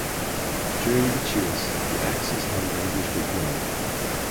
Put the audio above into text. During the chase, the Axe's handle was broken off.